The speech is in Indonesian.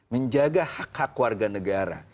menjaga hak hak warga negara